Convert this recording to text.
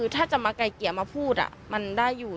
ถ้าจะมาใกล้เกี่ยวมาพูดมันได้อยู่ได้อยู่